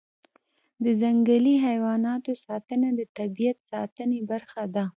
د ځنګلي حیواناتو ساتنه د طبیعت ساتنې برخه ده.